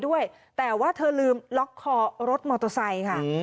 ด้วยแต่ว่าเธอลืมล็อกคอรถมอเตอร์ไซส์ค่ะเขาบอกตอนพักกลางวันเนี่ยจอดตอนเช้าพักกลางวันมาดู